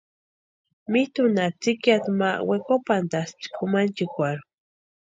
Mitʼunha tsïkiata ma wekopantaspti kʼumanchikwarhu.